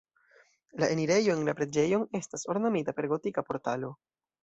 La enirejo en la preĝejon estas ornamita per gotika portalo.